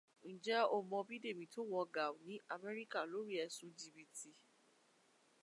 Ǹjẹ́ o mọ̀ nípa Bídèmí tó wọ gàu ní Amẹ́ríkà lórí ẹ̀sùn jì̀bì̀tì̀